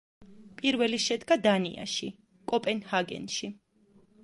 პირველი შედგა დანიაში, კოპენჰაგენში.